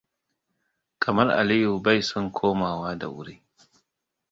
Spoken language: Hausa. Kamar Aliyu bai son komowa da wuri.